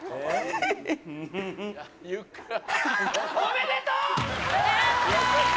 おめでとう！